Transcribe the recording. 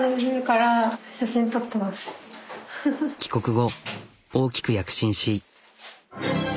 帰国後大きく躍進し。